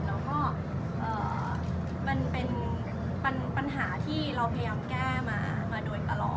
แล้วก็มันเป็นปัญหาที่เราพยายามแก้มาโดยตลอด